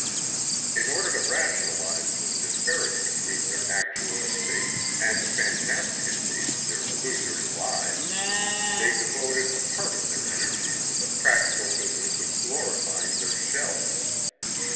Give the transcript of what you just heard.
In order to rationalize the disparity between their actual estates and the fantastic estates of their illusory lives, they devoted a part of their energies to the practical business of glorifying their shells.